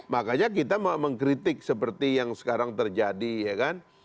makanya kita mengkritik seperti yang sekarang terjadi ya kan